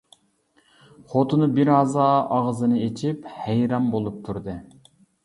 خوتۇنى بىر ھازا ئاغزىنى ئېچىپ ھەيران بولۇپ تۇردى.